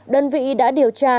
đơn vị đã điều tra